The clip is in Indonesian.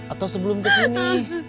atau sebelum ke sini